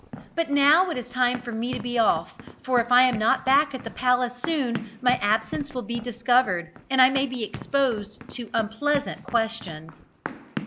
But now it is time for me to be off, for if I am not back at the palace soon, my absence will be discovered, and I may be exposed to unpleasant questions."